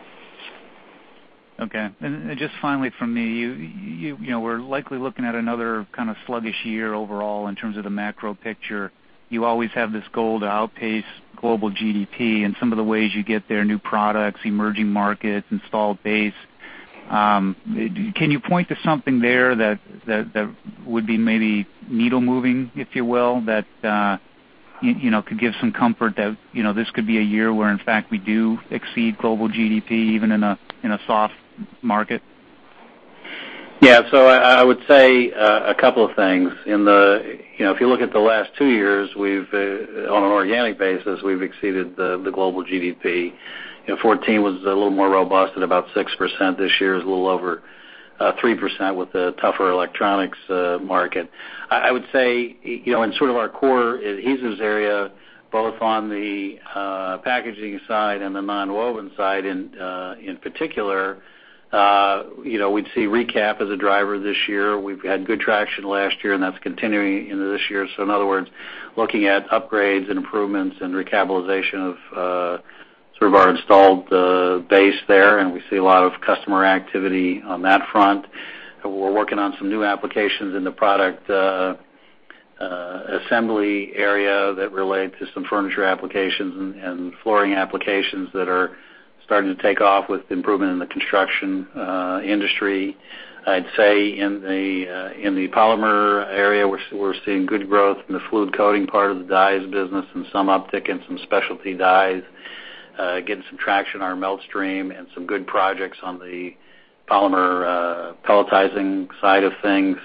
Okay. Just finally from me, you know, we're likely looking at another kind of sluggish year overall in terms of the macro picture. You always have this goal to outpace global GDP and some of the ways you get there, new products, emerging markets, installed base. Can you point to something there that would be maybe needle moving, if you will, that you know, could give some comfort that you know, this could be a year where in fact we do exceed global GDP, even in a soft market?
Yeah. I would say a couple of things. In the you know if you look at the last two years, we've on an organic basis exceeded the global GDP. You know, 2014 was a little more robust at about 6%. This year is a little over 3% with the tougher electronics market. I would say you know in sort of our core adhesives area, both on the packaging side and the non-woven side in particular you know we'd see recap as a driver this year. We've had good traction last year, and that's continuing into this year. In other words, looking at upgrades and improvements and recapitalization of sort of our installed base there, and we see a lot of customer activity on that front. We're working on some new applications in the product assembly area that relate to some furniture applications and flooring applications that are starting to take off with improvement in the construction industry. I'd say in the polymer area, we're seeing good growth in the fluid coating part of the dies business and some uptick in some specialty dies, getting some traction on our melt stream and some good projects on the polymer pelletizing side of things,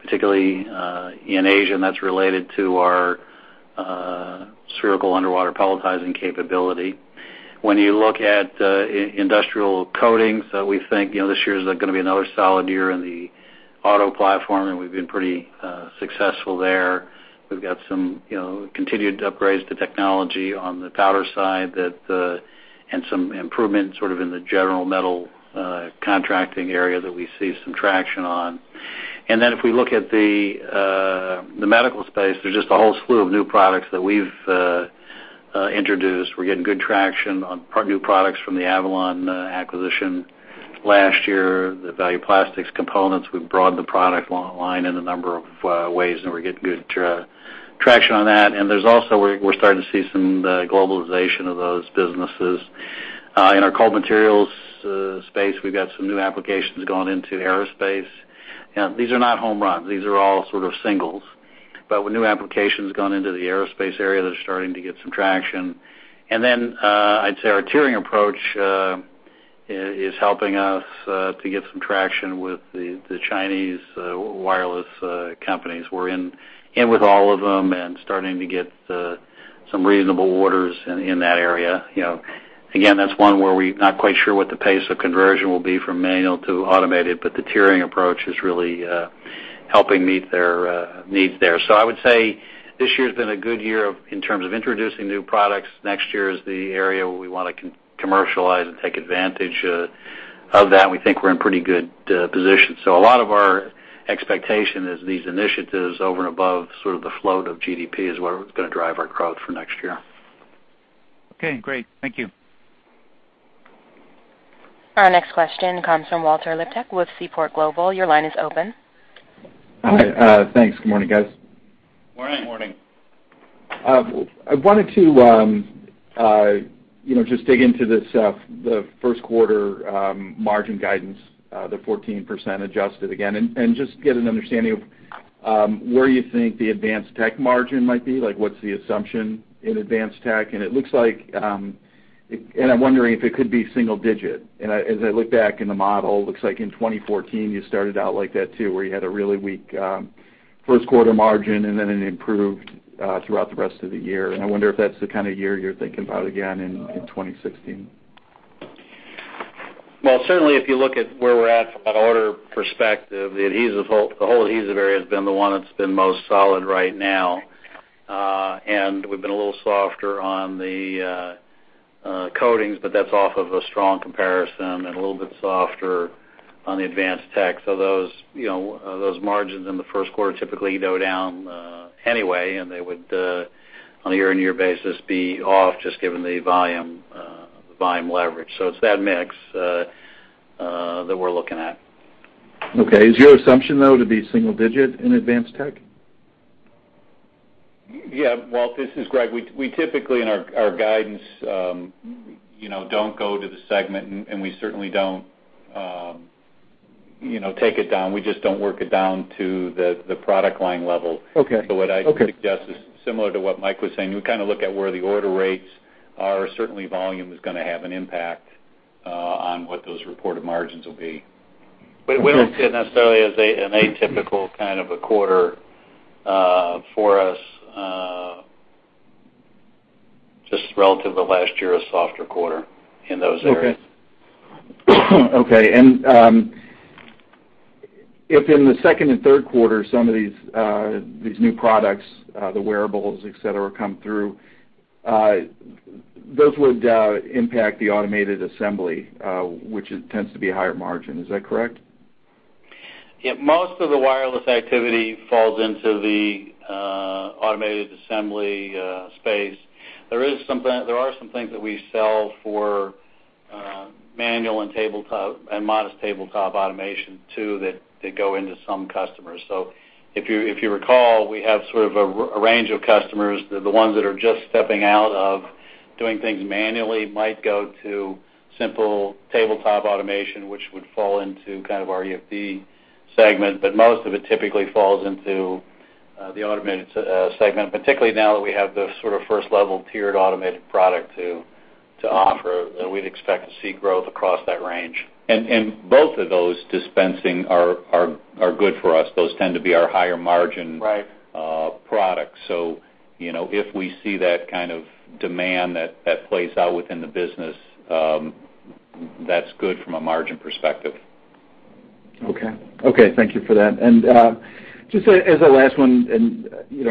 particularly in Asia, and that's related to our spherical underwater pelletizing capability. When you look at industrial coatings, we think, you know, this year is gonna be another solid year in the auto platform, and we've been pretty successful there. We've got some, you know, continued upgrades to technology on the powder side that, and some improvements sort of in the general metal contracting area that we see some traction on. If we look at the medical space, there's just a whole slew of new products that we've introduced. We're getting good traction on new products from the Avalon acquisition. Last year, the Value Plastics components, we've broadened the product line in a number of ways, and we're getting good traction on that. There's also, we're starting to see some globalization of those businesses. In our cold materials space, we've got some new applications going into aerospace. These are not home runs. These are all sort of singles. With new applications going into the aerospace area, they're starting to get some traction. I'd say our tiering approach is helping us to get some traction with the Chinese wireless companies. We're in with all of them and starting to get some reasonable orders in that area. You know, again, that's one where we're not quite sure what the pace of conversion will be from manual to automated, but the tiering approach is really helping meet their needs there. I would say this year's been a good year in terms of introducing new products. Next year is the area where we want to commercialize and take advantage of that, and we think we're in pretty good position. A lot of our expectation is these initiatives over and above sort of the float of GDP is what is gonna drive our growth for next year.
Okay, great. Thank you.
Our next question comes from Walter Liptak with Seaport Global. Your line is open.
Hi. Thanks. Good morning, guys.
Morning.
Morning.
I wanted to, you know, just dig into this, the first quarter margin guidance, the 14% adjusted again, and just get an understanding of where you think the advanced tech margin might be. Like, what's the assumption in advanced tech? It looks like. I'm wondering if it could be single digit. As I look back in the model, looks like in 2014, you started out like that, too, where you had a really weak first quarter margin, and then it improved throughout the rest of the year. I wonder if that's the kind of year you're thinking about again in 2016.
Well, certainly, if you look at where we're at from an order perspective, the whole adhesive area has been the one that's been most solid right now. We've been a little softer on the coatings, but that's off of a strong comparison and a little bit softer on the advanced tech. Those, you know, those margins in the first quarter typically go down anyway, and they would on a year-on-year basis be off just given the volume leverage. It's that mix that we're looking at.
Okay. Is your assumption though to be single digit in Advanced Tech?
Yeah. Walt, this is Greg. We typically, in our guidance, you know, don't go to the segment and we certainly don't, you know, take it down. We just don't work it down to the product line level. What I'd suggest is similar to what Mike was saying, we kinda look at where the order rates are. Certainly, volume is gonna have an impact on what those reported margins will be.
We don't see it necessarily as an atypical kind of a quarter for us, just relative to last year, a softer quarter in those areas.
Okay. If in the second and third quarter, some of these new products, the wearables, et cetera, come through, those would impact the automated assembly, which tends to be higher margin. Is that correct?
Yeah, most of the wireless activity falls into the automated assembly space. There are some things that we sell for manual and tabletop— and modest tabletop automation too that go into some customers. If you recall, we have sort of a range of customers. The ones that are just stepping out of doing things manually might go to simple tabletop automation, which would fall into kind of our EFD segment. Most of it typically falls into the automated segment, particularly now that we have the sort of first-level tiered automated product to offer, that we'd expect to see growth across that range.
Both of those dispensing are good for us. Those tend to be our higher margin products. You know, if we see that kind of demand that plays out within the business, that's good from a margin perspective.
Okay. Okay, thank you for that. Just as a last one and, you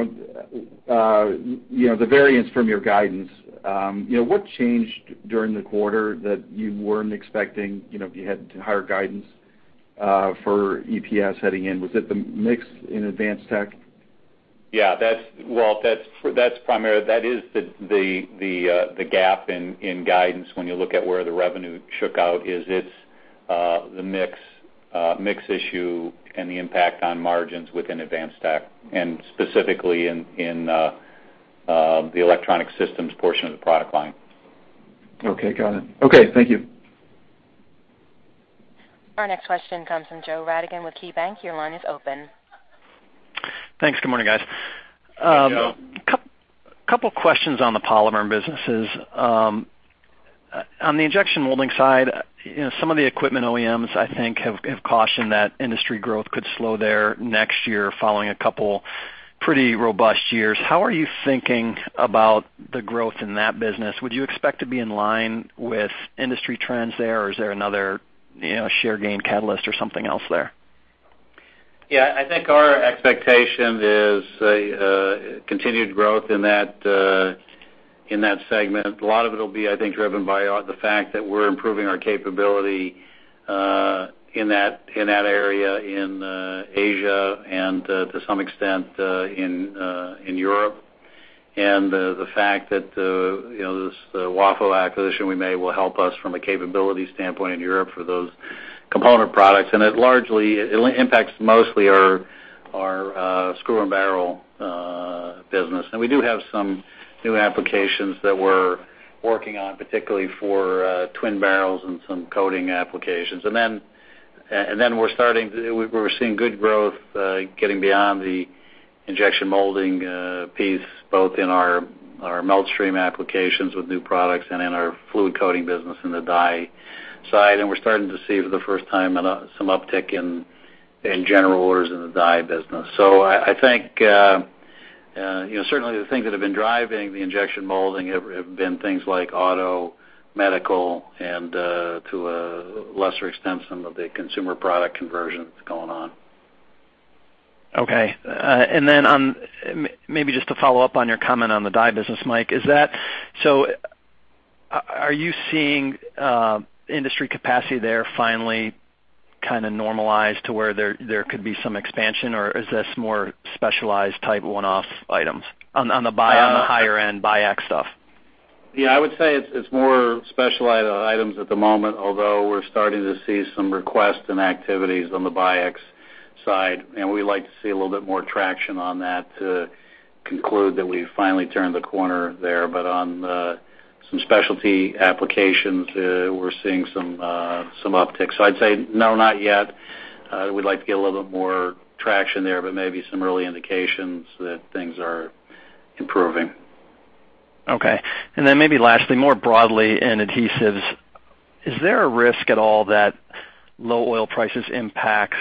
know, the variance from your guidance, you know, what changed during the quarter that you weren't expecting, you know, if you had higher guidance, for EPS heading in? Was it the mix in Advanced Tech?
Yeah, that's Walter, that's primary. That is the gap in guidance when you look at where the revenue shook out is it's the mix issue and the impact on margins within Advanced Tech, and specifically in the Electronics Systems portion of the product line.
Okay, got it. Okay, thank you.
Our next question comes from Joe Radigan with KeyBanc. Your line is open.
Thanks. Good morning, guys.
Hey, Joe.
Couple questions on the polymer businesses. On the injection molding side, you know, some of the equipment OEMs, I think, have cautioned that industry growth could slow there next year following a couple pretty robust years. How are you thinking about the growth in that business? Would you expect to be in line with industry trends there, or is there another, you know, share gain catalyst or something else there?
Yeah. I think our expectation is continued growth in that segment. A lot of it'll be, I think, driven by the fact that we're improving our capability in that area in Asia and, to some extent, in Europe. The fact that, you know, this, the WAFO acquisition we made will help us from a capability standpoint in Europe for those component products. It largely impacts mostly our screw and barrel business. We do have some new applications that we're working on, particularly for twin barrels and some coating applications. We're seeing good growth getting beyond the injection molding piece, both in our melt stream applications with new products and in our fluid coating business in the die side. We're starting to see for the first time some uptick in general orders in the die business. I think you know certainly the things that have been driving the injection molding have been things like auto, medical, and to a lesser extent, some of the consumer product conversions going on.
Maybe just to follow up on your comment on the die business, Mike. Are you seeing industry capacity there finally kinda normalize to where there could be some expansion, or is this more specialized type one-off items on the higher end Biax stuff?
Yeah. I would say it's more specialized items at the moment, although we're starting to see some requests and activities on the Biax side. We like to see a little bit more traction on that to conclude that we finally turned the corner there. On some specialty applications, we're seeing some uptick. I'd say no, not yet. We'd like to get a little bit more traction there, but maybe some early indications that things are improving.
Okay. Maybe lastly, more broadly in adhesives, is there a risk at all that low oil prices impacts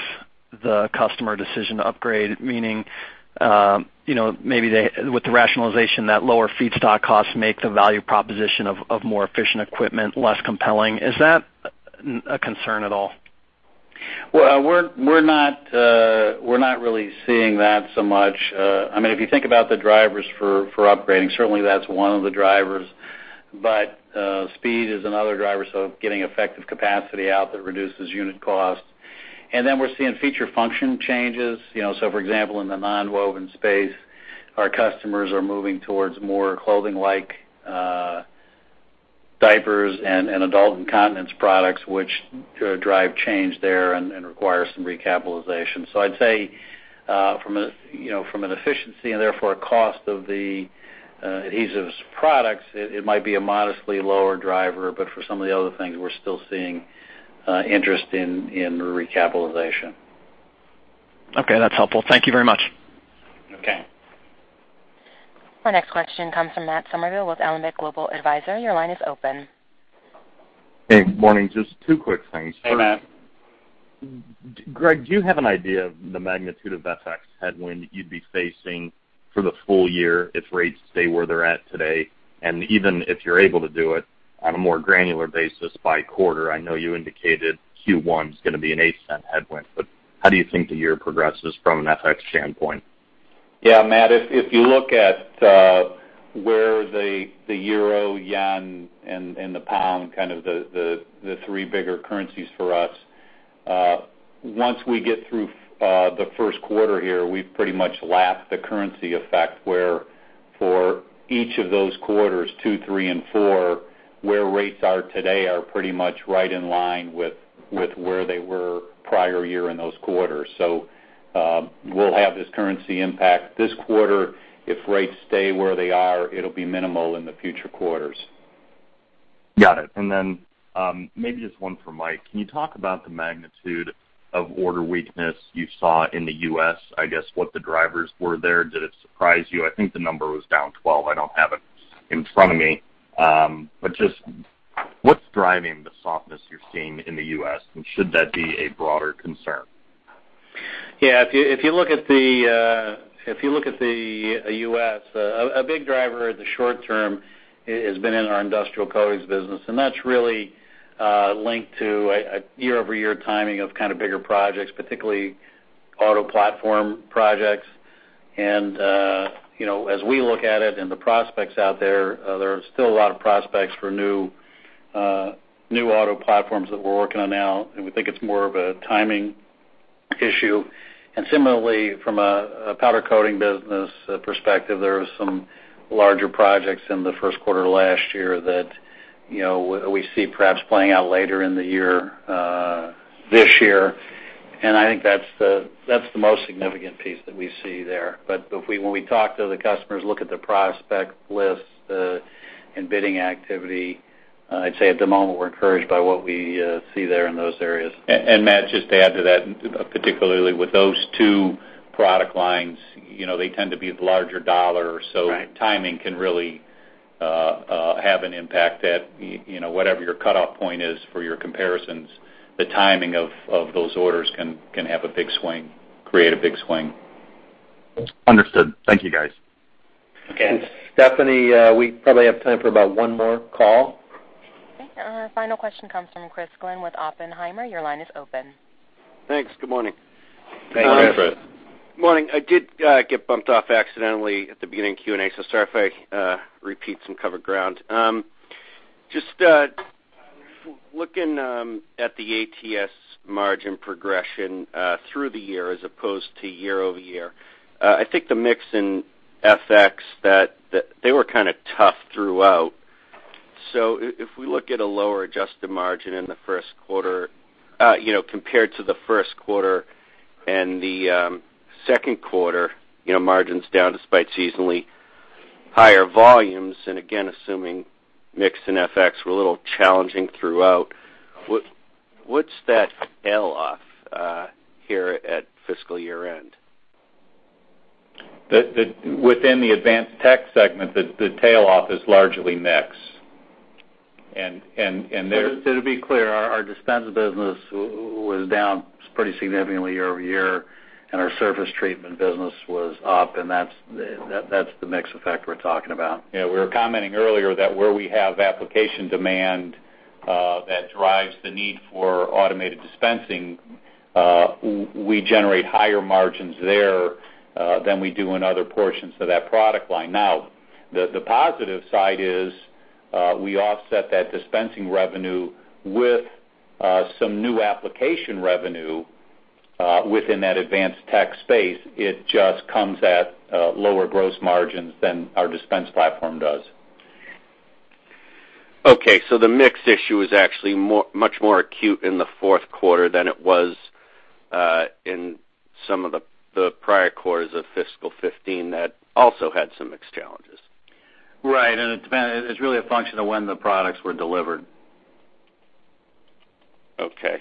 the customer decision to upgrade? Meaning, you know, maybe they, with the rationalization that lower feedstock costs make the value proposition of more efficient equipment less compelling. Is that a concern at all?
We're not really seeing that so much. I mean, if you think about the drivers for upgrading, certainly that's one of the drivers. Speed is another driver, so getting effective capacity out that reduces unit cost. Then we're seeing feature function changes. You know, for example, in the non-woven space, our customers are moving towards more clothing-like diapers and adult incontinence products, which drive change there and require some recapitalization. I'd say, you know, from an efficiency and therefore a cost of the adhesives products, it might be a modestly lower driver, but for some of the other things we're still seeing interest in recapitalization.
Okay, that's helpful. Thank you very much.
Our next question comes from Matt Summerville with Alembic Global Advisors. Your line is open.
Hey, good morning. Just two quick things.
Hey, Matt.
Greg, do you have an idea of the magnitude of FX headwind you'd be facing for the full year if rates stay where they're at today? Even if you're able to do it on a more granular basis by quarter, I know you indicated Q1 is gonna be a $0.08 headwind, but how do you think the year progresses from an FX standpoint?
Yeah, Matt, if you look at where the euro, yen, and the pound, kind of the three bigger currencies for us, once we get through the first quarter here, we've pretty much lapped the currency effect where for each of those quarters, two, three, and four, where rates are today are pretty much right in line with where they were prior year in those quarters. We'll have this currency impact this quarter. If rates stay where they are, it'll be minimal in the future quarters.
Got it. Maybe just one for Mike. Can you talk about the magnitude of order weakness you saw in the U.S.? I guess what the drivers were there. Did it surprise you? I think the number was down 12%. I don't have it in front of me. Just what's driving the softness you're seeing in the U.S., and should that be a broader concern?
If you look at the U.S., a big driver in the short term has been in our industrial coatings business, and that's really linked to a year-over-year timing of kind of bigger projects, particularly auto platform projects. You know, as we look at it and the prospects out there are still a lot of prospects for new auto platforms that we're working on now, and we think it's more of a timing issue. Similarly, from a powder coating business perspective, there are some larger projects in the first quarter last year that, you know, we see perhaps playing out later in the year, this year. I think that's the most significant piece that we see there. When we talk to the customers, look at their prospect lists, and bidding activity, I'd say at the moment, we're encouraged by what we see there in those areas.
Matt, just to add to that, particularly with those two product lines, you know, they tend to be larger dollar. Timing can really have an impact at, you know, whatever your cutoff point is for your comparisons. The timing of those orders can have a big swing, create a big swing.
Understood. Thank you, guys.
Stephanie, we probably have time for about one more call.
Okay. Our final question comes from Chris Glynn with Oppenheimer. Your line is open.
Thanks. Good morning.
Hey, Chris.
Morning. I did get bumped off accidentally at the beginning of Q&A, so sorry if I repeat some covered ground. Just looking at the ATS margin progression through the year as opposed to year-over-year, I think the mix in FX that they were kinda tough throughout. If we look at a lower adjusted margin in the first quarter, you know, compared to the first quarter and the second quarter, you know, margins down despite seasonally higher volumes, and again, assuming mix and FX were a little challenging throughout, what's that tail off here at fiscal year-end?
Within the advanced tech segment, the tail off is largely mix.
To be clear, our dispense business was down pretty significantly year-over-year, and our surface treatment business was up, and that's the mix effect we're talking about. Yeah. We were commenting earlier that where we have application demand, that drives the need for Automated Dispensing. We generate higher margins there than we do in other portions of that product line. Now, the positive side is we offset that dispensing revenue with some new application revenue within that advanced tech space. It just comes at lower gross margins than our dispense platform does.
The mix issue is actually much more acute in the fourth quarter than it was in some of the prior quarters of fiscal 2015 that also had some mix challenges.
Right. It's really a function of when the products were delivered.
Okay.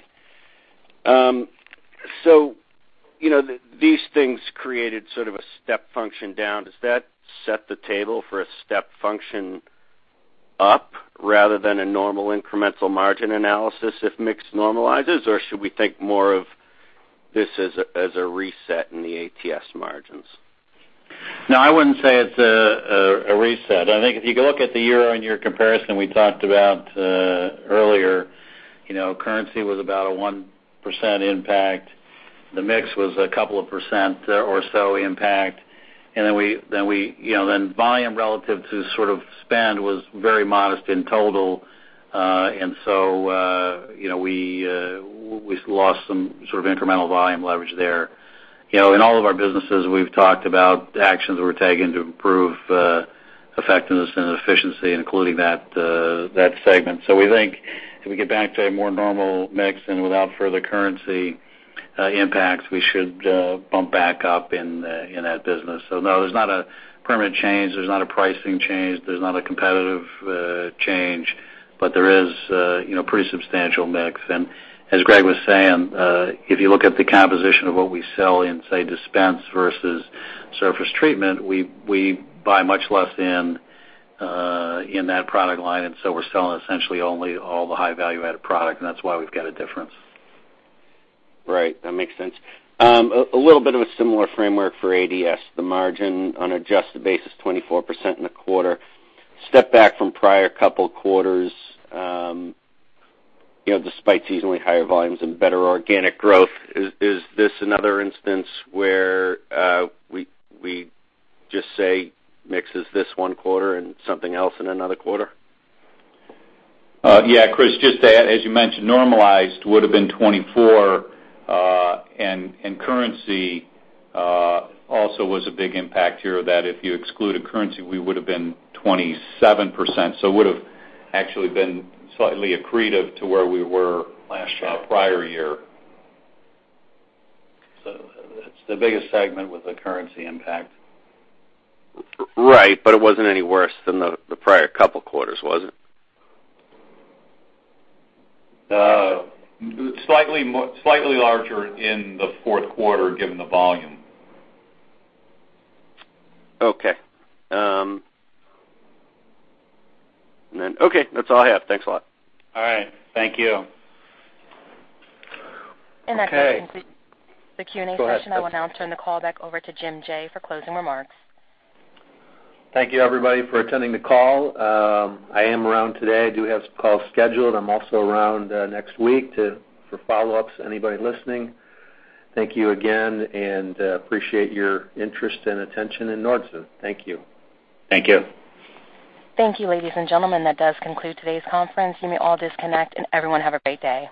You know, these things created sort of a step function down. Does that set the table for a step function up rather than a normal incremental margin analysis if mix normalizes? Or should we think more of this as a reset in the ATS margins?
No, I wouldn't say it's a reset. I think if you go look at the year-on-year comparison we talked about earlier, you know, currency was about a 1% impact. The mix was a couple of percent or so impact. Then volume relative to sort of spend was very modest in total. You know, we lost some sort of incremental volume leverage there. You know, in all of our businesses, we've talked about the actions that we're taking to improve effectiveness and efficiency, including that segment. We think if we get back to a more normal mix and without further currency impacts, we should bump back up in that business. No, there's not a permanent change. There's not a pricing change. There's not a competitive change. There is, you know, pretty substantial mix. As Greg was saying, if you look at the composition of what we sell in, say, dispense versus surface treatment, we buy much less in that product line, and so we're selling essentially only all the high value-added product, and that's why we've got a difference.
Right. That makes sense. A little bit of a similar framework for ADS. The margin on adjusted basis, 24% in the quarter, step back from prior couple quarters, you know, despite seasonally higher volumes and better organic growth. Is this another instance where we just say mix is this one quarter and something else in another quarter?
Yeah, Chris, just to add, as you mentioned, normalized would have been 24%, and currency also was a big impact here, that if you excluded currency, we would have been 27%. It would have actually been slightly accretive to where we were last year or prior year.
It's the biggest segment with the currency impact.
Right. It wasn't any worse than the prior couple quarters, was it?
Slightly larger in the fourth quarter, given the volume.
Okay. Okay, that's all I have. Thanks a lot.
All right. Thank you.
That does conclude the Q&A session. I will now turn the call back over to Jim Jaye for closing remarks.
Thank you, everybody, for attending the call. I am around today. I do have some calls scheduled. I'm also around next week for follow-ups, anybody listening. Thank you again. Appreciate your interest and attention in Nordson. Thank you.
Thank you.
Thank you, ladies and gentlemen. That does conclude today's conference. You may all disconnect, and everyone, have a great day.